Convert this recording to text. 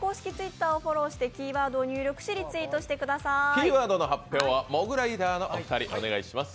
キーワードの発表はモグライダーのお二人、お願いします。